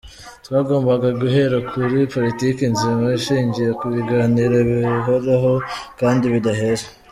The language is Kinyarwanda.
Twagombaga guhera kuri politiki nzima ishingiye ku biganiro bihoraho kandi bidaheza.